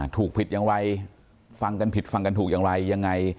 ถูกผิดอย่างไรฟังกันผิดฟังกันถูกอย่างไรยังไง